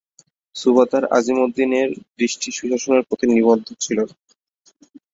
সুবাহদার আজিমউদ্দীনের দৃষ্টি সুশাসনের প্রতি নিবদ্ধ ছিল না।